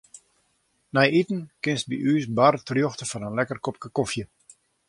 Nei iten kinst yn ús bar terjochte foar in lekker kopke kofje.